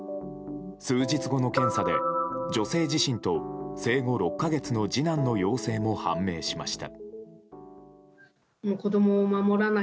数日後の検査で女性自身と生後６か月の次男の陽性が判明しました。